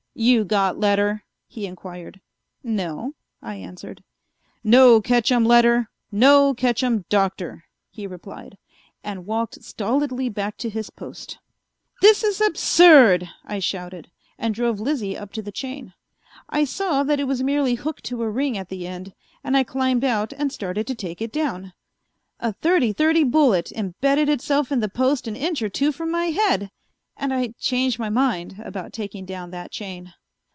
"You got letter?" he inquired. "No," I answered. "No ketchum letter, no ketchum Doctor," he replied, and walked stolidly back to his post. "This is absurd," I shouted, and drove Lizzie up to the chain. I saw that it was merely hooked to a ring at the end, and I climbed out and started to take it down. A thirty thirty bullet embedded itself in the post an inch or two from my head, and I changed my mind about taking down that chain.